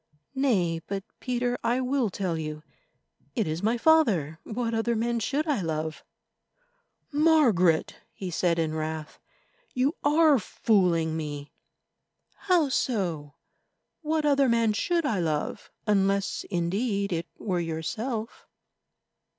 "Nay, but, Peter, I will tell you. It is my father—what other man should I love?" "Margaret!" he said in wrath, "you are fooling me." "How so? What other man should I love—unless, indeed, it were yourself?"